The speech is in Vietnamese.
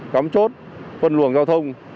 cắm chốt phân luồng giao thông